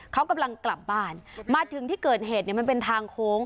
เขากำลังกลับบ้านมาถึงที่เกิดเหตุเนี่ยมันเป็นทางโค้ง